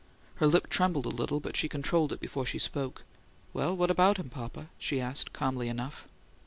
Her lip trembled a little, but she controlled it before she spoke. "Well, what about him, papa?" she asked, calmly enough.